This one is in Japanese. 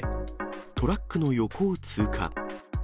トラックの横を通過。